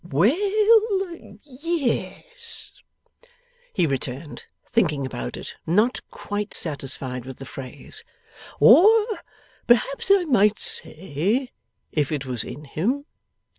'We ell, ye es,' he returned, thinking about it, not quite satisfied with the phrase: 'or perhaps I might say, if it was in him.